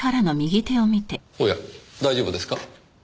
おや大丈夫ですか？